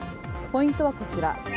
ポイントはこちら。